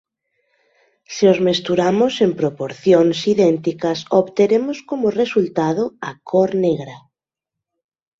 Se os mesturamos en proporcións idénticas obteremos como resultado a cor negra.